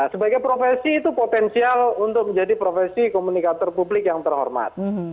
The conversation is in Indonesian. sebagai profesi itu potensial untuk menjadi profesi komunikator publik yang terhormat